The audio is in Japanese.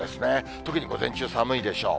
特に午前中、寒いでしょう。